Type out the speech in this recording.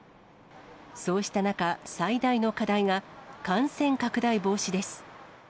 そうした中、最大の課題が、感染拡大防止です。